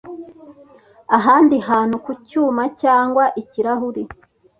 ahandi hantu ku cyuma cyangwa ikirahuri,